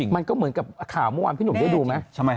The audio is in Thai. มันก็เหมือนกับข่าวเมื่อวานพี่หนุ่มได้ดูไหม